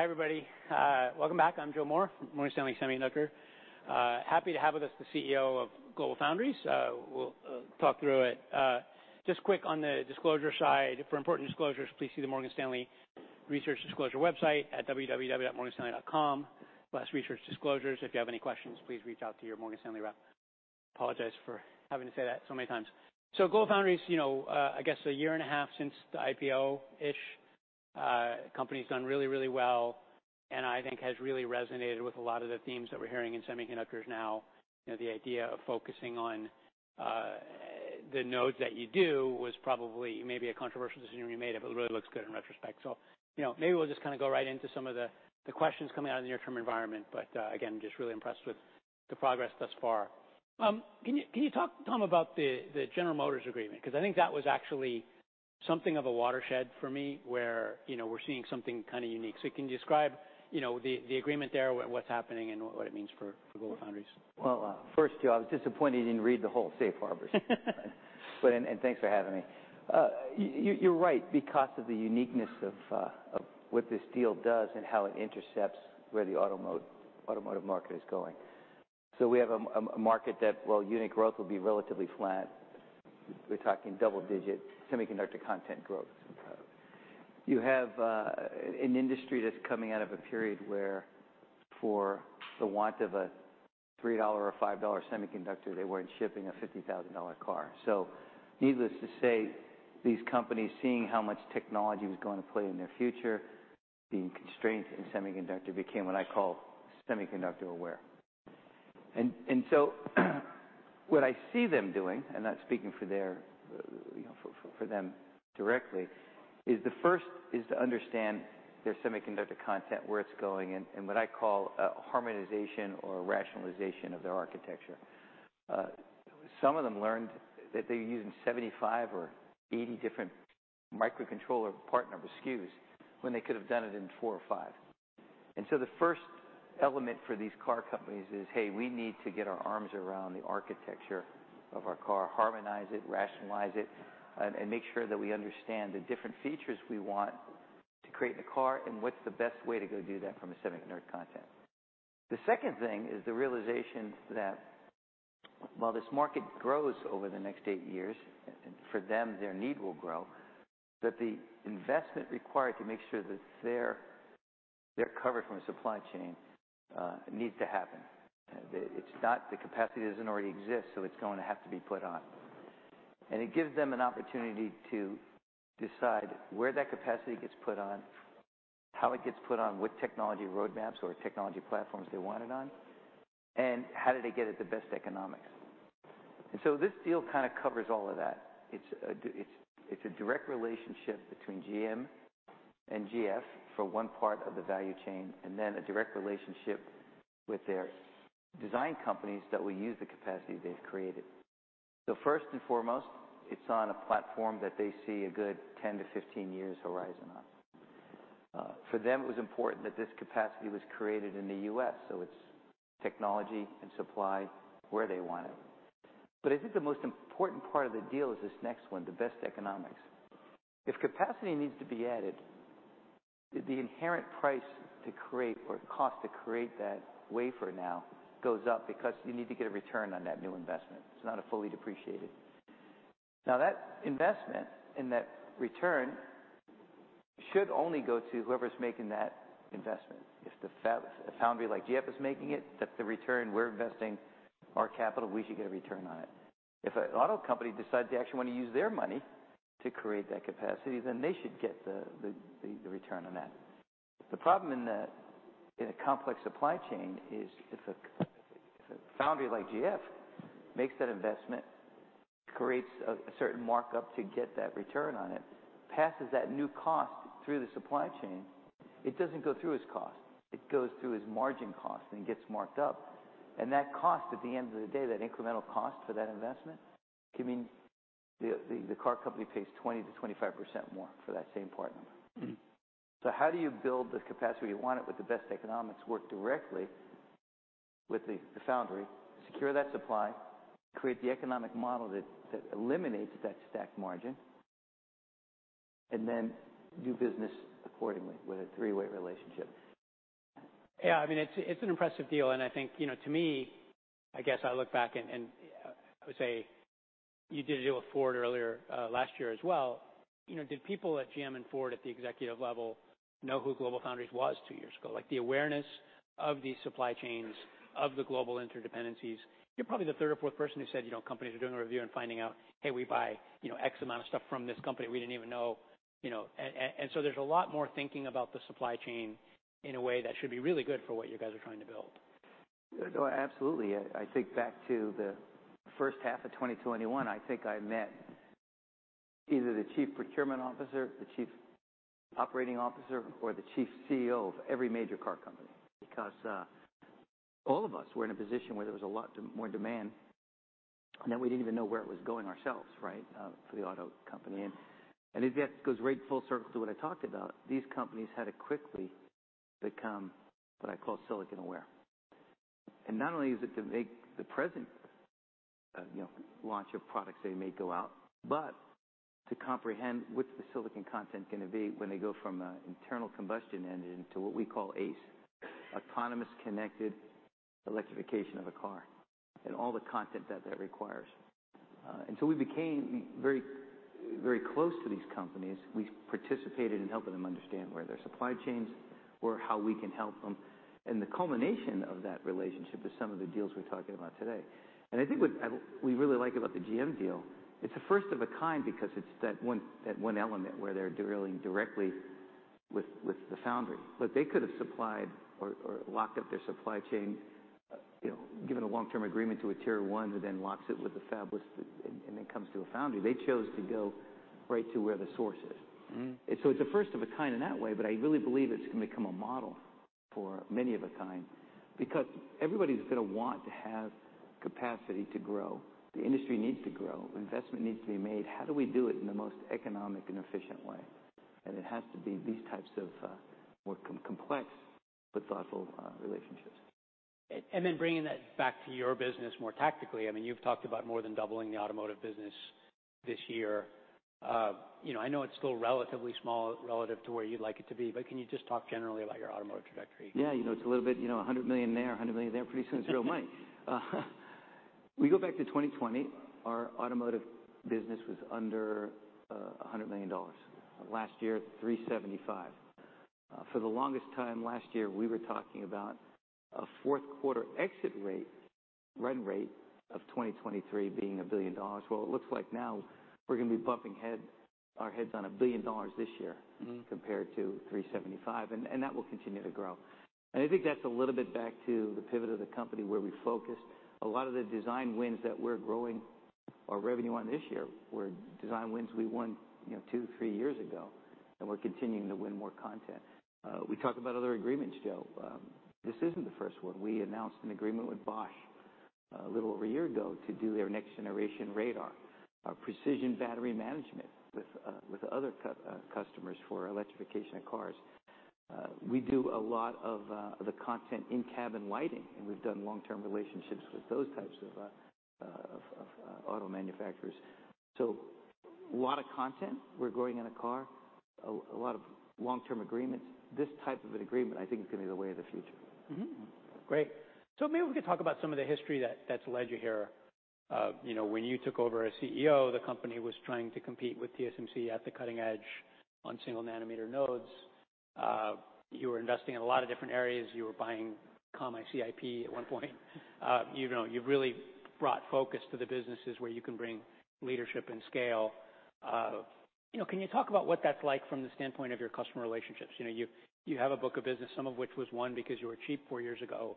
Hi, everybody. Welcome back. I'm Joe Moore from Morgan Stanley Semiconductor. Happy to have with us the CEO of GlobalFoundries. We'll talk through it. Just quick on the disclosure side, for important disclosures, please see the Morgan Stanley Research Disclosure website at www.morganstanley.com/researchdisclosures. If you have any questions, please reach out to your Morgan Stanley rep. Apologize for having to say that so many times. GlobalFoundries, you know, I guess a year and a half since the IPO-ish, company's done really, really well, and I think has really resonated with a lot of the themes that we're hearing in semiconductors now. You know, the idea of focusing on the nodes that you do was probably maybe a controversial decision you made, but it really looks good in retrospect. You know, maybe we'll just kinda go right into some of the questions coming out of the near-term environment, but again, just really impressed with the progress thus far. Can you talk, Tom, about the General Motors agreement? 'Cause I think that was actually something of a watershed for me, where, you know, we're seeing something kinda unique. Can you describe, you know, the agreement there, what's happening, and what it means for GlobalFoundries? Well, first, Joe, I was disappointed you didn't read the whole safe harbor statement. Thanks for having me. You're right because of the uniqueness of what this deal does and how it intercepts where the automotive market is going. We have a market that while unit growth will be relatively flat, we're talking double-digit semiconductor content growth. You have an industry that's coming out of a period where for the want of a $3 or $5 semiconductor they weren't shipping a $50,000 car. Needless to say, these companies, seeing how much technology was gonna play in their future, being constrained in semiconductor, became what I call semiconductor aware. What I see them doing, I'm not speaking for their, you know, for them directly, is the first is to understand their semiconductor content, where it's going, and what I call a harmonization or rationalization of their architecture. Some of them learned that they're using 75 or 80 different microcontroller part number SKUs when they could've done it in four to five. The first element for these car companies is, "Hey, we need to get our arms around the architecture of our car, harmonize it, rationalize it, and make sure that we understand the different features we want to create in a car, and what's the best way to go do that from a semiconductor content." The second thing is the realization that while this market grows over the next eight years, and for them their need will grow, that the investment required to make sure that they're covered from a supply chain needs to happen. It's not the capacity doesn't already exist, so it's going to have to be put on. It gives them an opportunity to decide where that capacity gets put on, how it gets put on, what technology roadmaps or technology platforms they want it on, and how do they get it the best economics. This deal kinda covers all of that. It's a direct relationship between GM and GF for one part of the value chain, and then a direct relationship with their design companies that will use the capacity they've created. First and foremost, it's on a platform that they see a good 10 to 15 years horizon on. For them it was important that this capacity was created in the U.S., so it's technology and supply where they want it. I think the most important part of the deal is this next one, the best economics. If capacity needs to be added, the inherent price to create or the cost to create that wafer now goes up because you need to get a return on that new investment. It's not a fully depreciated. Now, that investment and that return should only go to whoever's making that investment. If a foundry like GF is making it, that's the return, we're investing our capital, we should get a return on it. If an auto company decides they actually wanna use their money to create that capacity, then they should get the return on that. The problem in that in a complex supply chain is if a foundry like GF makes that investment, creates a certain markup to get that return on it, passes that new cost through the supply chain, it doesn't go through as cost. It goes through as margin cost and gets marked up. That cost at the end of the day, that incremental cost for that investment, can mean the car company pays 20% to 25% more for that same part number. Mm-hmm. How do you build the capacity you want it with the best economics, work directly with the foundry, secure that supply, create the economic model that eliminates that stacked margin, and then do business accordingly with a three-way relationship? Yeah, I mean, it's an impressive deal, and I think, you know, to me, I guess I look back and I would say you did a deal with Ford earlier last year as well. You know, did people at GM and Ford at the executive level know who GlobalFoundries was two years ago? Like, the awareness of the supply chains, of the global interdependencies. You're probably the third or fourth person who said, you know, companies are doing a review and finding out, "Hey, we buy, you know, X amount of stuff from this company we didn't even know," you know. There's a lot more thinking about the supply chain in a way that should be really good for what you guys are trying to build. No, absolutely. I think back to the first half of 2021, I think I met either the chief procurement officer, the chief operating officer, or the chief CEO of every major car company, because all of us were in a position where there was a lot more demand, and then we didn't even know where it was going ourselves, right? For the auto company. It goes right full circle to what I talked about. These companies had to quickly become what I call silicon aware. Not only is it to make the present, you know, launch of products they may go out, but to comprehend what's the silicon content gonna be when they go from an internal combustion engine to what we call ACE, autonomous connected electrification of a car, and all the content that that requires. We became very, very close to these companies. We participated in helping them understand where their supply chains were, how we can help them. The culmination of that relationship is some of the deals we're talking about today. I think what we really like about the GM deal, it's a first of a kind because it's that one element where they're dealing directly with the foundry. They could have supplied or locked up their supply chain, you know, given a long-term agreement to a tier one who then locks it with a fabless that, and then comes to a foundry. They chose to go right to where the source is. Mm-hmm. It's a first of a kind in that way, but I really believe it's gonna become a model for many of a kind because everybody's gonna want to have capacity to grow. The industry needs to grow, investment needs to be made. How do we do it in the most economic and efficient way? It has to be these types of more complex but thoughtful relationships. Bringing that back to your business more tactically, I mean, you've talked about more than doubling the automotive business this year. you know, I know it's still relatively small relative to where you'd like it to be, but can you just talk generally about your automotive trajectory? Yeah. You know, it's a little bit, you know, $100 million there, $100 million there, pretty soon it's real money. We go back to 2020, our automotive business was under $100 million. Last year, $375 million. For the longest time last year, we were talking about a Q4 exit rate, run rate of 2023 being $1 billion. Well, it looks like now we're gonna be bumping our heads on $1 billion this year Mm-hmm compared to $375, and that will continue to grow. I think that's a little bit back to the pivot of the company where we focused a lot of the design wins that we're growing our revenue on this year, were design wins we won, you know, two, three years ago, and we're continuing to win more content. We talk about other agreements, Joe. This isn't the first one. We announced an agreement with Bosch a little over a year ago to do their next generation radar, precision battery management with other customers for electrification of cars. We do a lot of the content in cabin lighting, and we've done long-term relationships with those types of auto manufacturers. A lot of content we're growing in a car. A lot of long-term agreements. This type of an agreement I think is gonna be the way of the future. Great. Maybe we could talk about some of the history that's led you here. You know, when you took over as CEO, the company was trying to compete with TSMC at the cutting edge on single nanometer nodes. You were investing in a lot of different areas. You were buying CIP at one point. You know, you've really brought focus to the businesses where you can bring leadership and scale. You know, can you talk about what that's like from the standpoint of your customer relationships? You know, you have a book of business, some of which was won because you were cheap four years ago.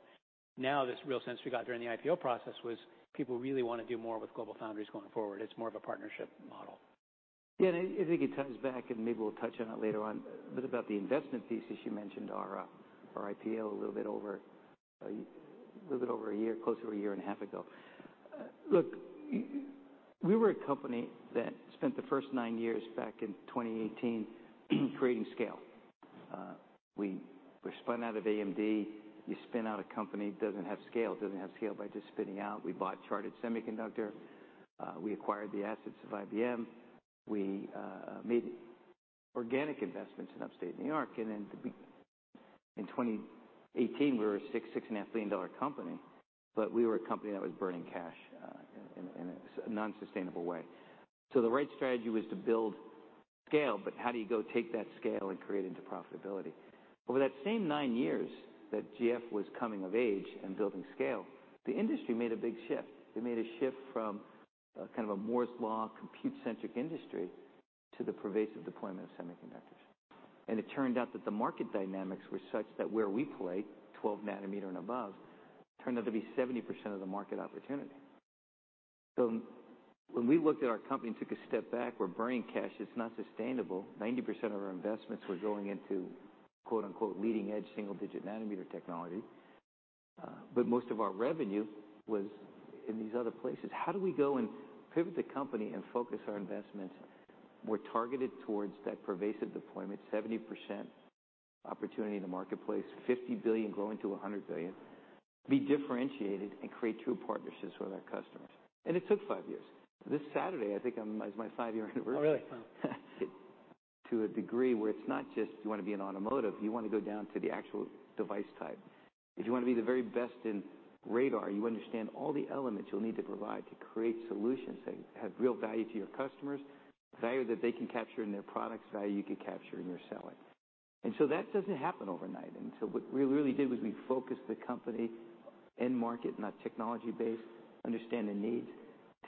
Now, this real sense we got during the IPO process was people really wanna do more with GlobalFoundries going forward. It's more of a partnership model. I think it ties back, and maybe we'll touch on it later on, but about the investment thesis, you mentioned our IPO a little bit over a year, close to a year and a half ago. Look, we were a company that spent the first nine years back in 2018 creating scale. We spun out of AMD. You spin out a company, doesn't have scale. Doesn't have scale by just spinning out. We bought Chartered Semiconductor. We acquired the assets of IBM. We made organic investments in upstate New York. In 2018, we were a $6 billion to $6.5 billion company, but we were a company that was burning cash in a non-sustainable way. The right strategy was to build scale, but how do you go take that scale and create into profitability? Over that same nine years that GF was coming of age and building scale, the industry made a big shift. They made a shift from a kind of a Moore's Law compute-centric industry to the pervasive deployment of semiconductors. It turned out that the market dynamics were such that where we play, 12 nanometer and above, turned out to be 70% of the market opportunity. When we looked at our company and took a step back, we're burning cash, it's not sustainable. 90% of our investments were going into, quote unquote, "leading edge single digit nanometer technology." Most of our revenue was in these other places. How do we go and pivot the company and focus our investments more targeted towards that pervasive deployment, 70% opportunity in the marketplace, $50 billion growing to $100 billion, be differentiated and create true partnerships with our customers? It took five years. This Saturday, I think, is my five-year anniversary. Oh, really? To a degree where it's not just you wanna be in automotive, you wanna go down to the actual device type. If you wanna be the very best in radar, you understand all the elements you'll need to provide to create solutions that have real value to your customers, value that they can capture in their products, value you can capture in your selling. That doesn't happen overnight. What we really did was we focused the company end market, not technology-based, understand the need,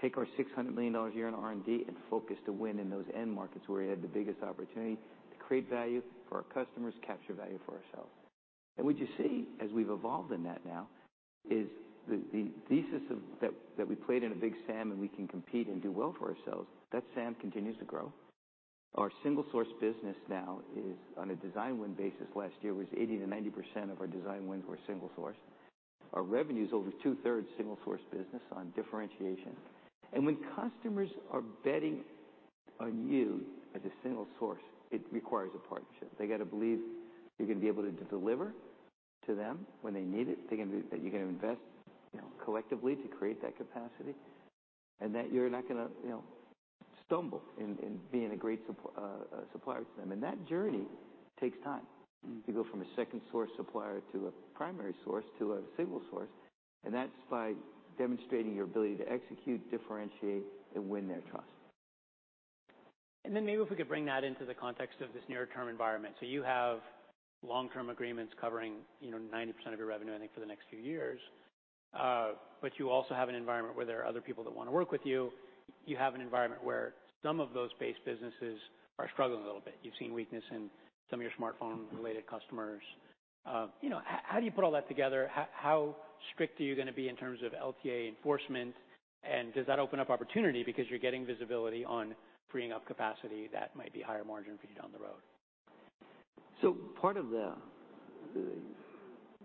take our $600 million a year in R&D and focus to win in those end markets where we had the biggest opportunity to create value for our customers, capture value for ourselves. What you see as we've evolved in that now is the thesis of that we played in a big SAM and we can compete and do well for ourselves, that SAM continues to grow. Our single source business now is on a design win basis last year was 80% to 90% of our design wins were single source. Our revenue's over two-thirds single source business on differentiation. When customers are betting on you as a single source, it requires a partnership. They gotta believe you're gonna be able to deliver to them when they need it, that you're gonna invest, you know, collectively to create that capacity, and that you're not gonna, you know, stumble in being a great supplier to them. That journey takes time to go from a second source supplier to a primary source to a single source, and that's by demonstrating your ability to execute, differentiate, and win their trust. Maybe if we could bring that into the context of this near-term environment. You have long-term agreements covering, you know, 90% of your revenue, I think, for the next few years. You also have an environment where there are other people that wanna work with you. You have an environment where some of those base businesses are struggling a little bit. You've seen weakness in some of your smartphone-related customers. You know, how do you put all that together? How strict are you gonna be in terms of LTA enforcement, and does that open up opportunity because you're getting visibility on freeing up capacity that might be higher margin for you down the road? Part of the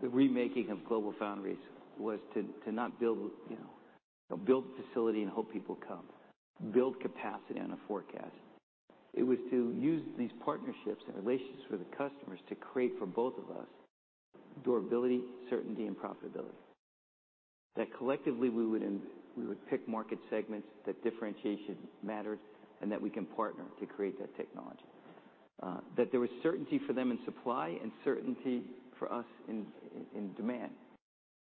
remaking of GlobalFoundries was to not build, you know, build facility and hope people come, build capacity on a forecast. It was to use these partnerships and relationships with the customers to create for both of us durability, certainty, and profitability. That collectively we would pick market segments that differentiation mattered, and that we can partner to create that technology. That there was certainty for them in supply and certainty for us in demand,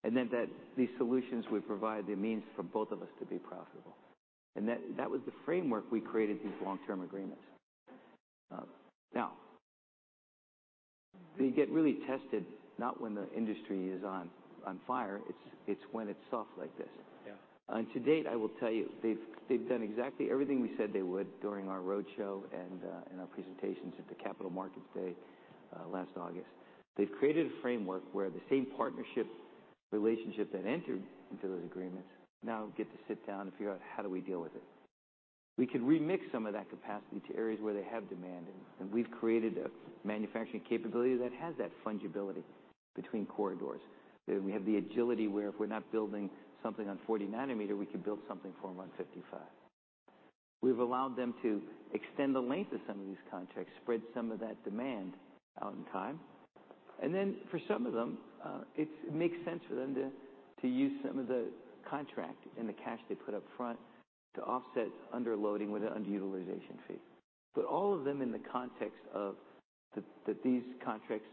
and then that these solutions would provide the means for both of us to be profitable. That was the framework we created these long-term agreements. Now they get really tested, not when the industry is on fire, it's when it's soft like this. Yeah. To date, I will tell you, they've done exactly everything we said they would during our roadshow and in our presentations at the Capital Markets Day last August. They've created a framework where the same partnership relationship that entered into those agreements now get to sit down and figure out, how do we deal with it? We could remix some of that capacity to areas where they have demand, and we've created a manufacturing capability that has that fungibility between corridors. We have the agility where if we're not building something on 40 nanometer, we can build something for 155. We've allowed them to extend the length of some of these contracts, spread some of that demand out in time. For some of them, it makes sense for them to use some of the contract and the cash they put up front to offset underloading with an underutilization fee. All of them in the context of that these contracts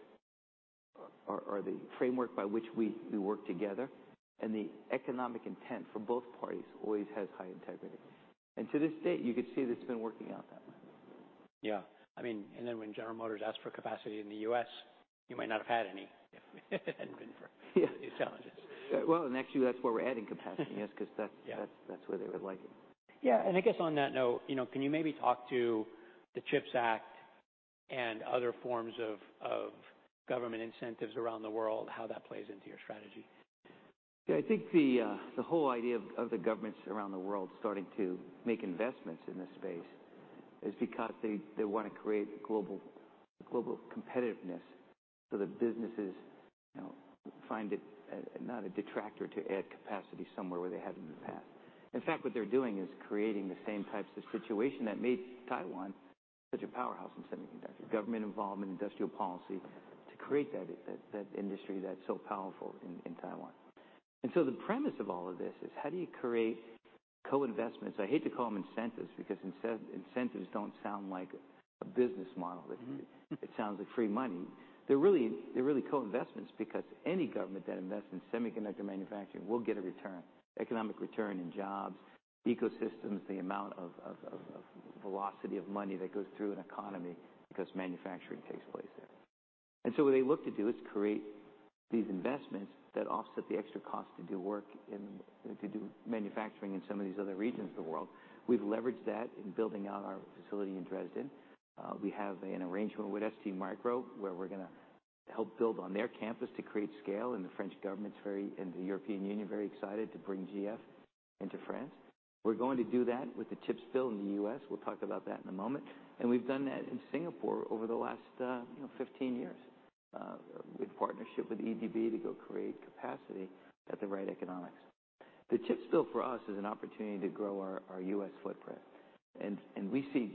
are the framework by which we work together, and the economic intent for both parties always has high integrity. To this date, you could see that it's been working out that way. Yeah. I mean, and then when General Motors asked for capacity in the U.S., you might not have had any if it hadn't been for... Yeah. these challenges. Well, next year that's where we're adding capacity. Yes, 'cause. Yeah. that's where they would like it. Yeah. I guess on that note, you know, can you maybe talk to the CHIPS Act and other forms of government incentives around the world, how that plays into your strategy? I think the whole idea of the governments around the world starting to make investments in this space is because they wanna create global competitiveness so that businesses, you know, find it not a detractor to add capacity somewhere where they haven't in the past. In fact, what they're doing is creating the same types of situation that made Taiwan such a powerhouse in semiconductor. Government involvement, industrial policy to create that industry that's so powerful in Taiwan. The premise of all of this is how do you create co-investments? I hate to call them incentives because incentives don't sound like a business model. Mm-hmm. It sounds like free money. They're really co-investments because any government that invests in semiconductor manufacturing will get a return, economic return in jobs, ecosystems, the amount of velocity of money that goes through an economy because manufacturing takes place there. What they look to do is create these investments that offset the extra cost to do work in, to do manufacturing in some of these other regions of the world. We've leveraged that in building out our facility in Dresden. We have an arrangement with STMicroelectronics where we're gonna help build on their campus to create scale, and the French government's very, and the European Union, very excited to bring GF into France. We're going to do that with the CHIPS Act in the U.S. We'll talk about that in a moment. We've done that in Singapore over the last, you know, 15 years, with partnership with EDB to go create capacity at the right economics. The CHIPS Act for us is an opportunity to grow our U.S. footprint, and we see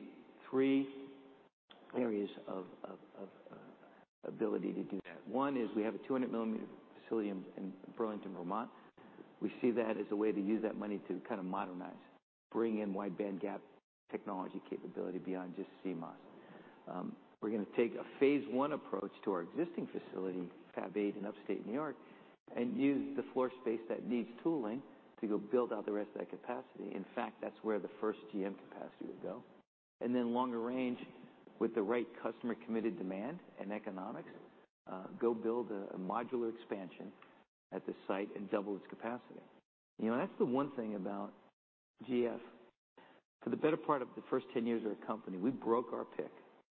three areas of ability to do that. One is we have a 200 millimeter facility in Burlington, Vermont. We see that as a way to use that money to kind of modernize, bring in wide bandgap technology capability beyond just CMOS. We're gonna take a phase I approach to our existing facility, Fab8 in upstate New York, and use the floor space that needs tooling to go build out the rest of that capacity. In fact, that's where the first GM capacity would go. Longer range with the right customer-committed demand and economics, go build a modular expansion at the site and double its capacity. You know, that's the one thing about GF. For the better part of the first 10 years of our company, we broke our pick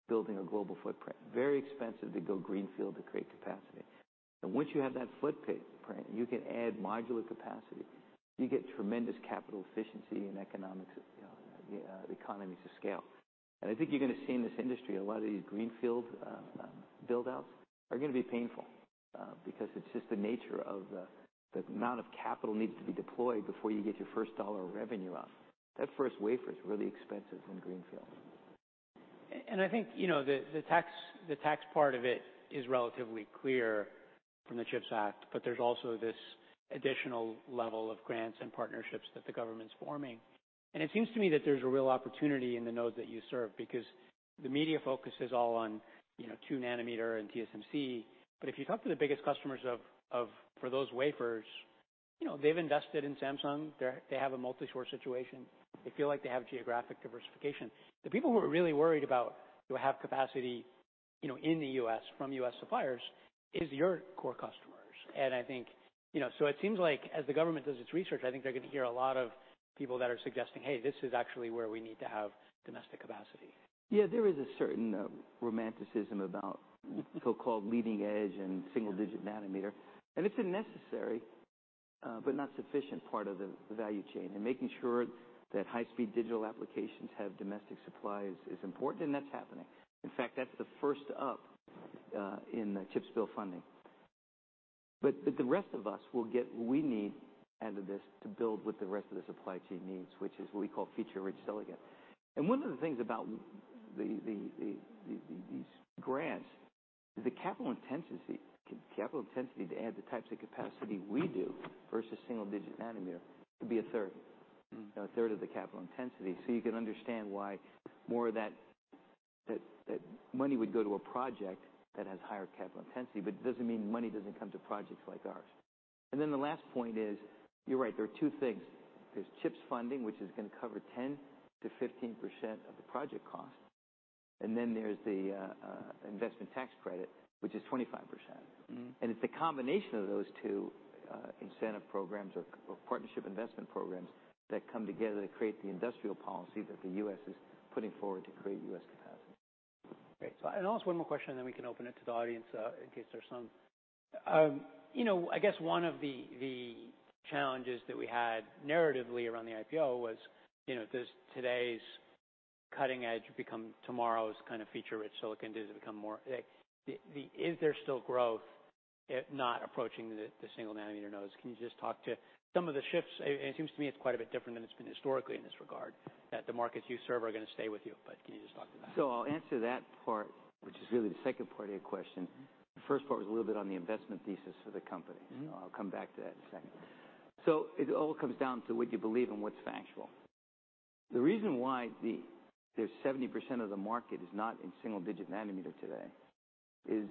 building a global footprint. Very expensive to go greenfield to create capacity. Once you have that footprint, you can add modular capacity. You get tremendous capital efficiency and economics, economies of scale. I think you're gonna see in this industry, a lot of these greenfield build-outs are gonna be painful because it's just the nature of the amount of capital needed to be deployed before you get your first dollar of revenue up. That first wafer is really expensive in greenfield. I think, you know, the tax part of it is relatively clear from the CHIPS Act. There's also this additional level of grants and partnerships that the government's forming. It seems to me that there's a real opportunity in the nodes that you serve because the media focus is all on, you know, 2 nanometer and TSMC. If you talk to the biggest customers of... for those wafers, you know, they've invested in Samsung. They have a multi-source situation. They feel like they have geographic diversification. The people who are really worried about, who have capacity, you know, in the U.S. from U.S. suppliers, is your core customers. I think, you know... It seems like as the government does its research, I think they're gonna hear a lot of people that are suggesting, "Hey, this is actually where we need to have domestic capacity. Yeah, there is a certain romanticism about so-called leading edge and single digit nanometer, and it's a necessary, but not sufficient part of the value chain. Making sure that high-speed digital applications have domestic supply is important, and that's happening. In fact, that's the first up in the CHIPS bill funding. The rest of us will get what we need out of this to build what the rest of the supply chain needs, which is what we call feature-rich silicon. One of the things about these grants, the capital intensity to add the types of capacity we do versus single digit nanometer could be a third. Mm-hmm. You know, a third of the capital intensity. You can understand why more of that money would go to a project that has higher capital intensity, but it doesn't mean money doesn't come to projects like ours. The last point is, you're right, there are two things. There's CHIPS funding, which is gonna cover 10% to 15% of the project cost, and then there's the investment tax credit, which is 25%. Mm-hmm. It's the combination of those two, incentive programs or partnership investment programs that come together to create the industrial policy that the U.S. is putting forward to create U.S. capacity. Great. Also one more question, and then we can open it to the audience, in case there's some. You know, I guess one of the challenges that we had narratively around the IPO was, you know, does today's cutting edge become tomorrow's kind of feature-rich silicon? Is there still growth, if not approaching the single nanometer nodes? Can you just talk to some of the shifts? It seems to me it's quite a bit different than it's been historically in this regard, that the markets you serve are gonna stay with you, but can you just talk to that? I'll answer that part, which is really the second part of your question. The first part was a little bit on the investment thesis for the company. Mm-hmm. I'll come back to that in a second. It all comes down to what you believe and what's factual. The reason why there's 70% of the market is not in single-digit nanometer today is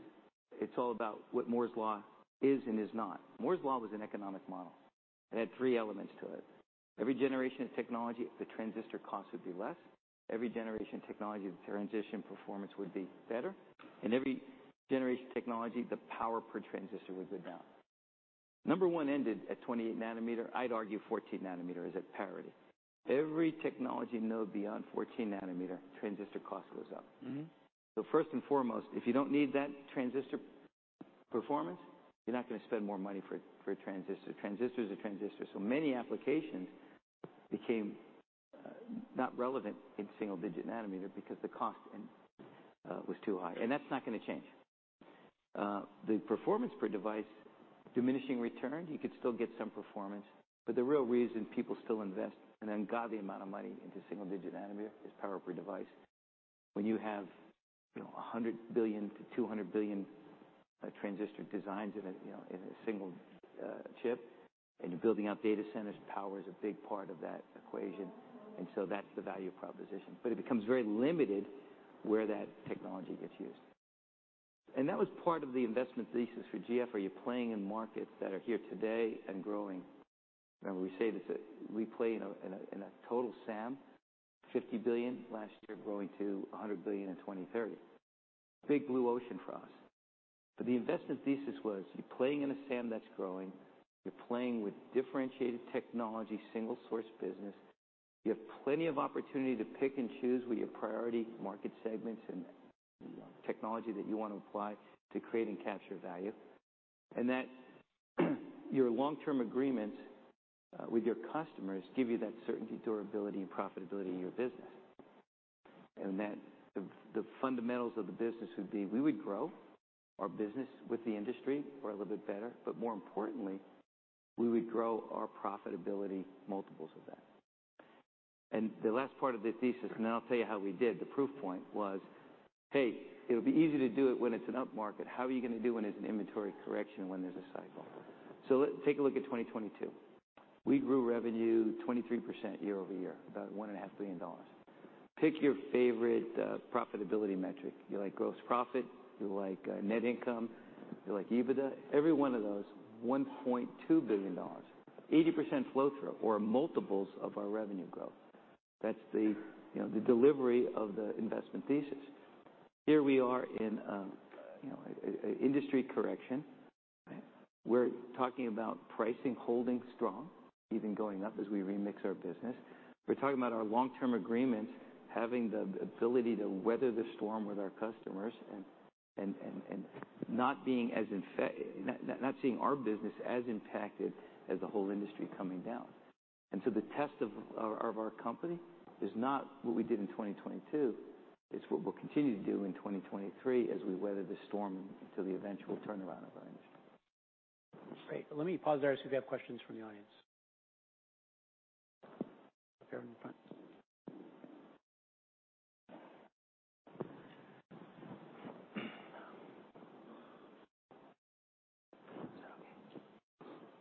it's all about what Moore's Law is and is not. Moore's Law was an economic model. It had three elements to it. Every generation of technology, the transistor cost would be less. Every generation technology, the transistor performance would be better. Every generation technology, the power per transistor would go down. Number one ended at 28 nanometer. I'd argue 14 nanometer is at parity. Every technology node beyond 14 nanometer, transistor cost goes up. Mm-hmm. First and foremost, if you don't need that transistor performance, you're not gonna spend more money for a transistor. Transistor is a transistor, many applications became not relevant in single-digit nanometer because the cost was too high, and that's not gonna change. The performance per device diminishing return, you could still get some performance, but the real reason people still invest an ungodly amount of money into single-digit nanometer is power per device. When you have, you know, 100 billion to 200 billion transistor designs in a, you know, in a single chip, and you're building out data centers, power is a big part of that equation, that's the value proposition. It becomes very limited where that technology gets used. That was part of the investment thesis for GF. Are you playing in markets that are here today and growing? Remember we say this, that we play in a total SAM, $50 billion last year, growing to $100 billion in 2030. Big blue ocean for us. The investment thesis was, you're playing in a SAM that's growing, you're playing with differentiated technology, single source business. You have plenty of opportunity to pick and choose what your priority market segments and, you know, technology that you want to apply to create and capture value. That your long-term agreements with your customers give you that certainty, durability and profitability in your business. That the fundamentals of the business would be, we would grow our business with the industry or a little bit better, but more importantly, we would grow our profitability multiples of that. The last part of the thesis, then I'll tell you how we did, the proof point was, "Hey, it'll be easy to do it when it's an up market. How are you gonna do when it's an inventory correction, when there's a cycle?" Take a look at 2022. We grew revenue 23% year-over-year, about $1.5 billion. Pick your favorite profitability metric. You like gross profit, you like net income, you like EBITDA, every one of those, $1.2 billion, 80% flow through or multiples of our revenue growth. That's the, you know, the delivery of the investment thesis. Here we are in, you know, a industry correction, right? We're talking about pricing holding strong, even going up as we remix our business. We're talking about our long-term agreements, having the ability to weather the storm with our customers and not seeing our business as impacted as the whole industry coming down. The test of our company is not what we did in 2022, it's what we'll continue to do in 2023 as we weather this storm until the eventual turnaround of our industry. Great. Let me pause there and see if we have questions from the audience. Up here in the front.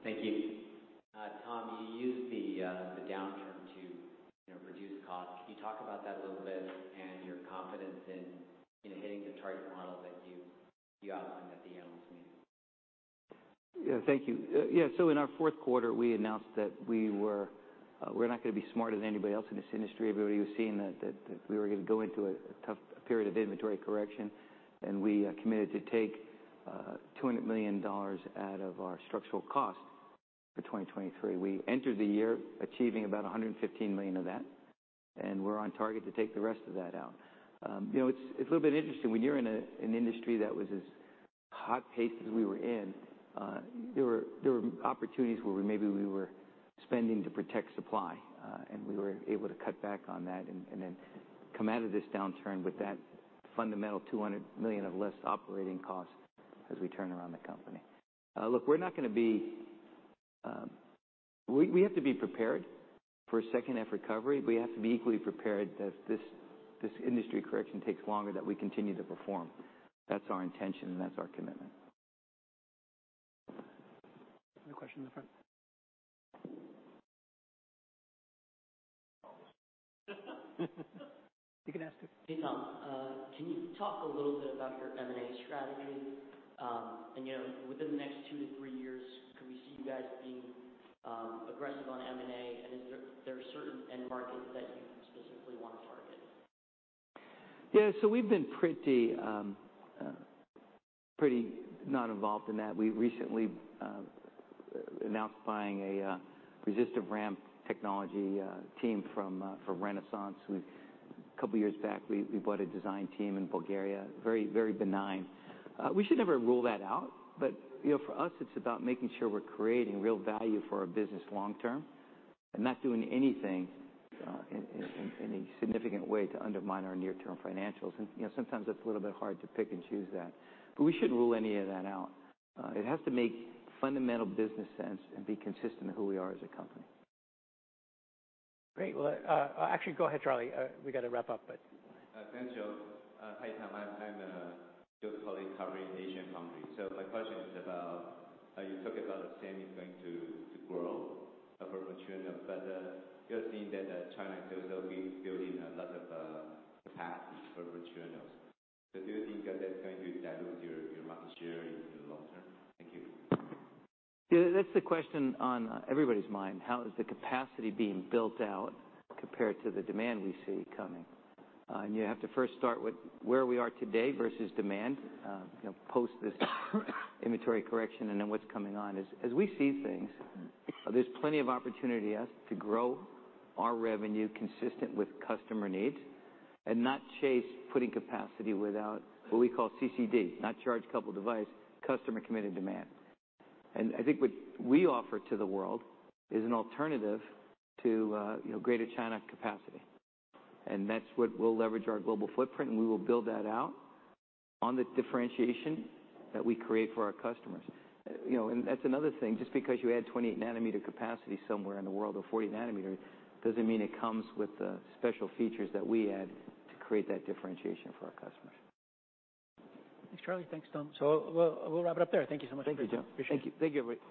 Thank you. Tom, you used the downturn to, you know, reduce costs. Can you talk about that a little bit and your confidence in hitting the target model that you outlined at the analyst meeting? Yeah, thank you. In our fourth quarter, we announced that we were, we're not gonna be smarter than anybody else in this industry. Everybody was seeing that we were gonna go into a tough period of inventory correction. We committed to take $200 million out of our structural costs for 2023. We entered the year achieving about $115 million of that, and we're on target to take the rest of that out. You know, it's a little bit interesting. When you're in an industry that was as hot paced as we were in, there were opportunities where maybe we were spending to protect supply, and we were able to cut back on that and then come out of this downturn with that fundamental $200 million of less operating costs as we turn around the company. Look, we're not gonna be. We have to be prepared for a second half recovery. We have to be equally prepared that this industry correction takes longer that we continue to perform. That's our intention, and that's our commitment. Another question in the front. You can ask it. Hey, Tom. Can you talk a little bit about your M&A strategy? You know, within the next two to three years, could we see you guys being aggressive on M&A? Is there certain end markets that you specifically wanna target? Yeah. We've been pretty not involved in that. We recently announced buying a resistive RAM technology team from Renesas. A couple years back, we bought a design team in Bulgaria, very, very benign. We should never rule that out, but, you know, for us, it's about making sure we're creating real value for our business long term and not doing anything in a significant way to undermine our near-term financials. You know, sometimes that's a little bit hard to pick and choose that, but we shouldn't rule any of that out. It has to make fundamental business sense and be consistent in who we are as a company. Great. Well, actually, go ahead, Charlie. We gotta wrap up, but, Thanks, Joe. Hi, Tom. I'm still calling covering Asian companies. My question is about, you talked about the same is going to grow after mature enough. You're seeing that China is also being building a lot of path for materials. Do you think that that's going to dilute your market share in the long term? Thank you. Yeah. That's the question on everybody's mind, how is the capacity being built out compared to the demand we see coming? You have to first start with where we are today versus demand, you know, post this inventory correction and then what's coming on. As we see things, there's plenty of opportunity, yes, to grow our revenue consistent with customer needs and not chase putting capacity without what we call CCD. Not charge couple device, customer committed demand. I think what we offer to the world is an alternative to, you know, greater China capacity, and that's what we'll leverage our global footprint, and we will build that out on the differentiation that we create for our customers. You know, that's another thing. Just because you add 20 nanometer capacity somewhere in the world or 40 nanometer doesn't mean it comes with the special features that we add to create that differentiation for our customers. Thanks, Charlie. Thanks, Tom. We'll wrap it up there. Thank you so much. Thank you, Joe. Appreciate it. Thank you. Thank you, everybody.